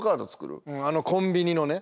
うんあのコンビニのね。